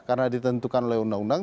karena ditentukan oleh undang undang